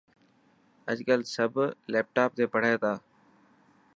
اڄ ڪل سب ليپٽاپ تي پڙهي تا.